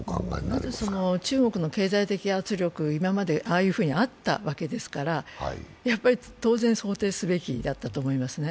まず中国の経済的圧力、今までああいうふうにあったわけですからやっぱり当然想定すべきだったと思いますね。